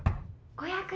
・５００円。